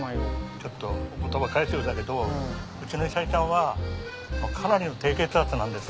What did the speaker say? ちょっとお言葉返すようだけどうちの久江ちゃんはかなりの低血圧なんです。